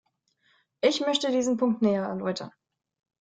Ich möchte diesen Punkt näher erläutern!